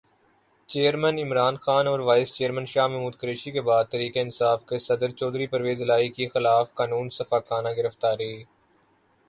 chairman Imran Khan اور vice chairman Shah Mahmood Qureshi کے بعد تحریک انصاف کے صدر چودھری پرویزالہٰی کی خلافِ قانون سفّاکانہ گرفتاری